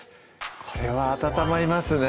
これは温まりますね